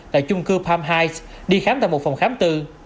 tại chung cư palm heights đi khám tại một phòng khám tư